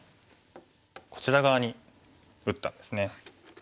こちら側に打ったんですね。